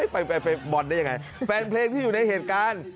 ไปบอลได้ยังไงแฟนเพลงที่อยู่ในเหตุการณ์